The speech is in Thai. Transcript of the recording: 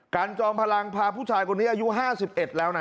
จอมพลังพาผู้ชายคนนี้อายุ๕๑แล้วนะ